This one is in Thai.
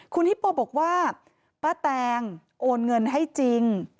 คุณฮิปโปบอกว่าป้าแตงโอนเงินให้จริง